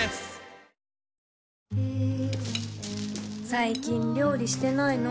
最近料理してないの？